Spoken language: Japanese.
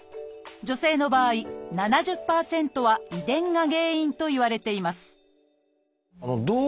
女性の場合７０％は遺伝が原因といわれています